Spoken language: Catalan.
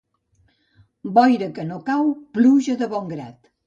Boira que no cau, pluja de bon grat.